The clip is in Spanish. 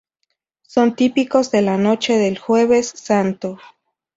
Son típicos de la noche de jueves santo.